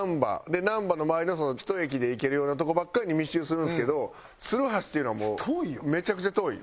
でなんばの周りの１駅で行けるようなとこばっかりに密集するんですけど鶴橋っていうのはもうめちゃくちゃ遠い。